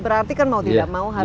berarti kan mau tidak mau harus